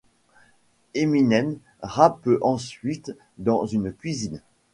Eminem rappe ensuite dans une cuisine.